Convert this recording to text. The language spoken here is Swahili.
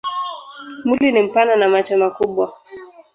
Mwili ni mpana na macho makubwa.